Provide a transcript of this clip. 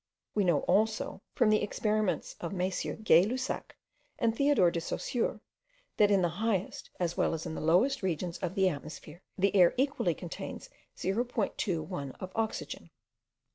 We know also, from the experiments of MM. Gay Lussac and Theodore de Saussure, that in the highest as well as in the lowest regions of the atmosphere, the air equally contains 0.21 of oxygen.